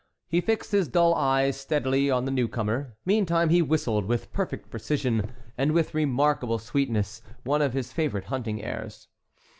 He fixed his dull eyes steadily on the newcomer; meantime he whistled, with perfect precision and with remarkable sweetness, one of his favorite hunting airs.